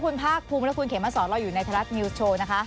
และคุณเขมมาสอนเราอยู่ในทรัศน์มิวส์โชว์นะคะ